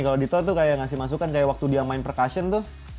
kalau dito tuh kayak ngasih masukan kayak waktu dia main percussion tuh